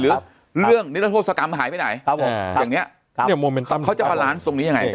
หรือเรื่องนิรโทษกรรมหายไปไหนอย่างนี้เขาจะมาร้านตรงนี้ยังไง